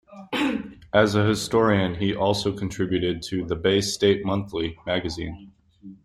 As a historian he also contributed to "The Bay State Monthly" magazine.